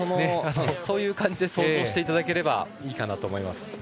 そういう感じで想像していただければいいかなと思います。